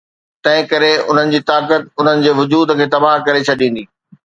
تنهنڪري انهن جي طاقت انهن جي وجود کي تباهه ڪري ڇڏيندي.